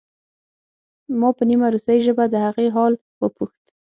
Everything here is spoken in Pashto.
ما په نیمه روسۍ ژبه د هغې حال وپوښت